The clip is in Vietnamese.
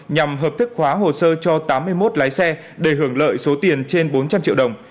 nhằm hợp thức hóa hồ sơ cho tám mươi một lái xe để hưởng lợi số tiền trên bốn trăm linh triệu đồng